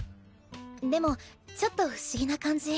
でもちょっと不思議な感じ。